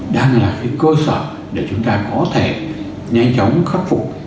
đang là cái cơ sở để chúng ta có thể nhanh chóng khắc phục